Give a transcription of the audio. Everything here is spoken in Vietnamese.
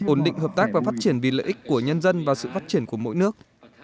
ổn định hợp tác và phát triển vì lợi ích của nhân dân và sự phát triển của mỗi nước